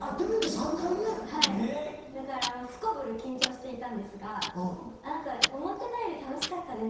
はいだからもうすこぶる緊張していたんですが何か思ってたより楽しかったです。